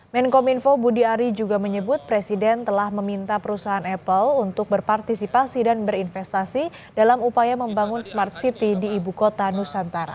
menkom info budi ari juga menyebut presiden telah meminta perusahaan apple untuk berpartisipasi dan berinvestasi dalam upaya membangun smart city di ibu kota nusantara